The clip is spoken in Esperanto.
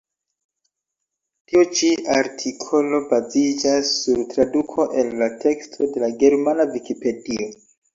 Tiu ĉi artikolo baziĝas sur traduko el la teksto de la germana vikipedio.